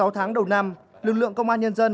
sáu tháng đầu năm lực lượng công an nhân dân